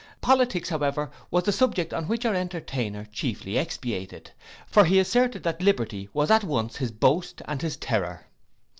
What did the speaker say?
Politics, however, was the subject on which our entertainer chiefly expatiated; for he asserted that liberty was at once his boast and his terror.